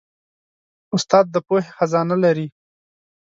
استاد د پوهې خزانه لري.